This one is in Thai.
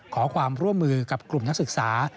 ขอความร่วมมือกับกลุ่มนักศึกษา